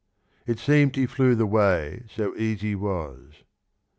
" It seemed he flew tlic way so easy was."